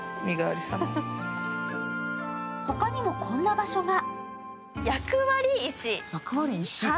ほかにもこんな場所が。